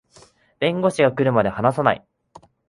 弁護士が来るまで話さない